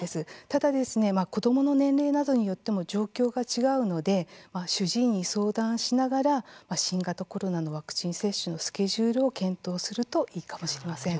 ただ子どもの年齢などによっても状況が違うので主治医に相談しながら新型コロナのワクチン接種のスケジュールを検討するといいかもしれません。